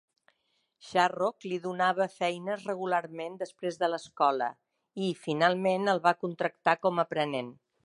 Sharrock li donava feines regularment després de l'escola i, finalment, el va contractar com a aprenent.